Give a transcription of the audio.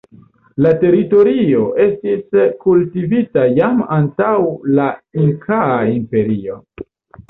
La teritorio estis kultivita jam antaŭ la Inkaa Imperio.